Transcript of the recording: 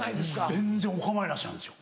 全然お構いなしなんですよ。